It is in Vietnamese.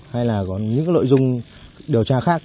hay là có những nội dung điều tra khác